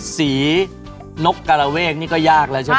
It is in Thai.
นกกระเวกนี่ก็ยากแล้วใช่ไหม